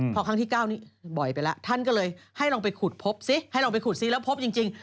พอครั้งที่๙นี่บ่อยไปแล้วท่านก็เลยให้ลองไปขุดพบซิแล้วพบจริง